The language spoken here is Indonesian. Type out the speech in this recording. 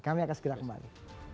kami akan segera kembali